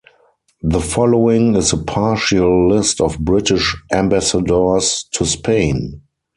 The following is a partial list of British ambassadors to Spain.